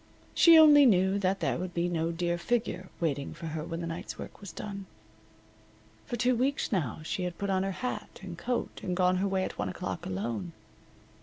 She only knew that there would be no dear figure waiting for her when the night's work was done. For two weeks now she had put on her hat and coat and gone her way at one o'clock alone.